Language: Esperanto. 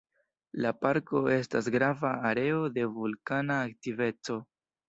La parko estas grava areo de vulkana aktiveco.